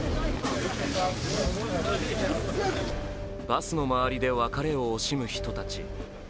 バスの周りで別れを惜しむ人たち。